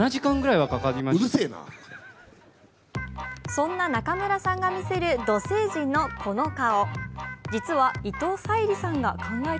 そんな中村さんが見せる土星人のこの顔。